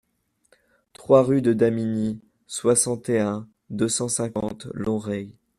trois rue de Damigny, soixante et un, deux cent cinquante, Lonrai